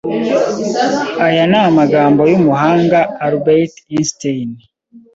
Aya ni amagambo y’umuhanga Albert Einstein